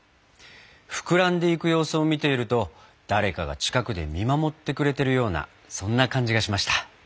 膨らんでいく様子を見ていると誰かが近くで見守ってくれてるようなそんな感じがしました。